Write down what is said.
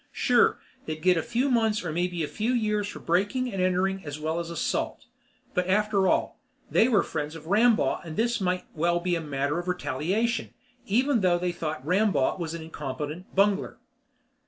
Sure, they'd get a few months or maybe a few years for breaking and entering as well as assault, but after all, they were friends of Rambaugh and this might well be a matter of retaliation, even though they thought Rambaugh was an incompetent bungler.